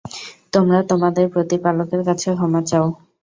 তোমরা তোমাদের প্রতিপালকের কাছে ক্ষমা চাও।